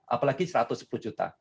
apalagi satu ratus sepuluh juta